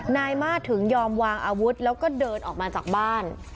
นายมาสถึงยอมวางอาวุธแล้วก็เดินออกมาจากบ้าน